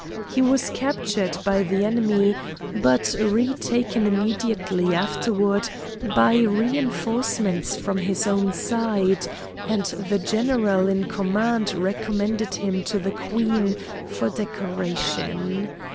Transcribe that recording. He was captured by the enemy, but retaken immediately afterward by re enforcements from his own side, and the general in command recommended him to the Queen for decoration.